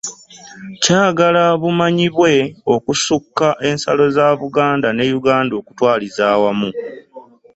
Kyagala bumanyibwe okusukka ensalo za Buganda ne Uganda okutwaliza awamu.